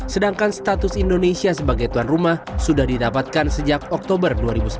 sedangkan status indonesia sebagai tuan rumah sudah didapatkan sejak oktober dua ribu sembilan belas